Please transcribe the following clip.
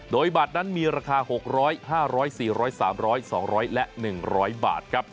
โดยบัตรนั้นมีราคา๖๐๐๕๐๐๔๐๐๓๐๐๒๐๐และ๑๐๐บาทครับ